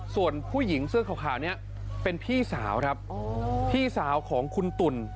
ส่วนผู้หญิงเสื้อขาวนี้เป็นพี่สาวครับพี่สาวของคุณตุ่น